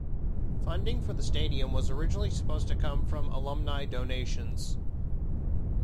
Funding for the stadium was originally supposed to come from alumni donations.